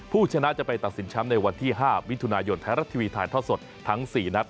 ผู้ชนะจะไปตัดสินแชมป์ในวันที่๕มิถุนายนไทยรัฐทีวีถ่ายทอดสดทั้ง๔นัด